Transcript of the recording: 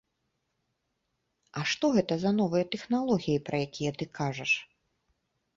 А што гэта за новыя тэхналогіі, пра якія ты кажаш?